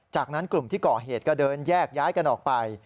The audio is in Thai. จากนั้นกลุ่มที่ก่อเหตุก็เดินแยกย้ายกันออกไป